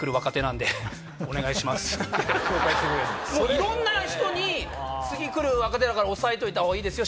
いろんな人に「次来る若手だから押さえといたほうがいいですよ